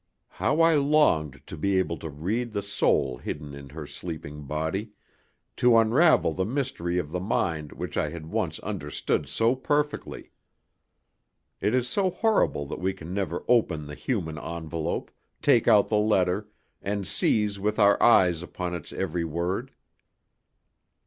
How I longed to be able to read the soul hidden in her sleeping body, to unravel the mystery of the mind which I had once understood so perfectly! It is so horrible that we can never open the human envelope, take out the letter, and seize with our eyes upon its every word.